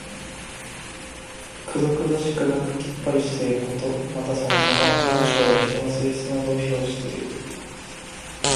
くどくどしくなくきっぱりしていること。また、そのさま。文章や人の性質などを評していう。